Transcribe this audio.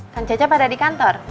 kang cecep ada di kantor